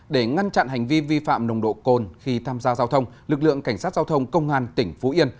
để ngăn chặn hành vi vi phạm nồng độ cồn khi tham gia giao thông lực lượng cảnh sát giao thông công an tỉnh phú yên